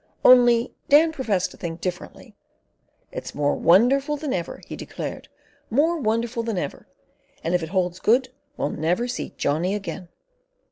Only Dan professed to think differently. "It's more wonderful than ever," he declared; "more wonderful than ever, and if it holds good we'll never see Johnny again."